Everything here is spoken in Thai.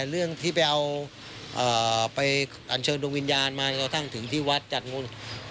เอ่อไปอัญเชิญดวงวิญญาณมาก็ทั่งถึงที่วัดจัดงวด